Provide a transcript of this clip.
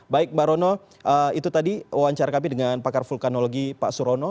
baik mbak rono itu tadi wawancara kami dengan pakar vulkanologi pak surono